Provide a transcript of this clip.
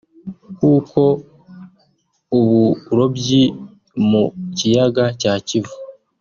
kuko uburobyi mu kiyaga cya Kivu